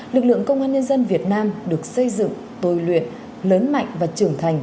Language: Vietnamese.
lực lượng công an nhân dân việt nam được xây dựng tôi luyện lớn mạnh và trưởng thành